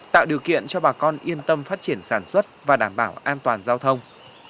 tạo điều kiện cho bà con yên tâm phát triển sản xuất và đảm bảo an toàn giao thông